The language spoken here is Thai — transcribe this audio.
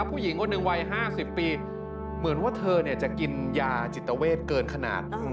ผู้หญิงคนหนึ่งวัย๕๐ปีเหมือนว่าเธอจะกินยาจิตเวทเกินขนาด